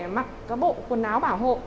mặc các bộ quần áo bảo hộ